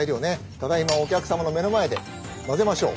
ただいまお客様の目の前でまぜましょう。